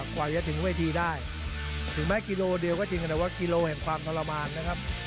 กว่าจะถึงเวทีได้ถึงแม้กิโลเดียวก็จริงแต่ว่ากิโลแห่งความทรมานนะครับ